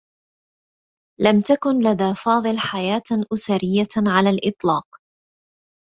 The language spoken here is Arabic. لم تكُن لدى فاضل حياة أُسريّة على الإطلاق.